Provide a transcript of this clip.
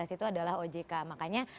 itu adalah ojk makanya